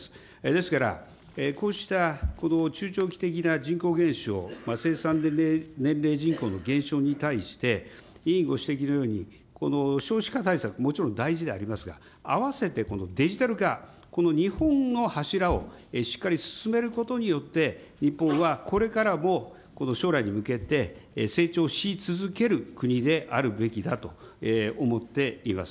ですから、こうしたこの中長期的な人口減少、生産年齢人口の減少に対して、委員ご指摘のように、この少子化対策、もちろん大事でありますが、併せてこのデジタル化、２本の柱をしっかり進めることによって、日本はこれからも将来に向けて、成長し続ける国であるべきだと思っています。